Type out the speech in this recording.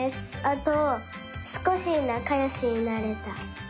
あとすこしなかよしになれた。